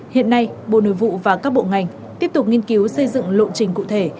hiện nay bộ nội vụ và các bộ ngành tiếp tục nghiên cứu xây dựng lộ trình cụ thể